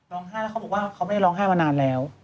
ร้องไห้แล้วเขาบอกว่าเขาไม่ได้ร้องไห้มานานแล้ว